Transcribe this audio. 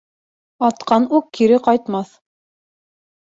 Атҡан уҡ кире ҡайтмаҫ